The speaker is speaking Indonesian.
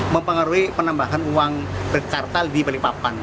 mempengaruhi penambahan uang berkartal di balikpapan